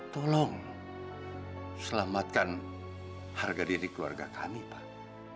tolong selamatkan harga diri di keluarga kami pak